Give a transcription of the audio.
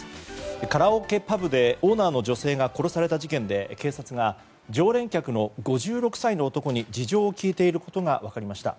カラオケパブでオーナーの女性が殺された事件で警察が、常連客の５６歳の男に事情を聴いていることが分かりました。